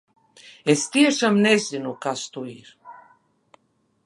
Es tiešām nezinu, kas tur ir!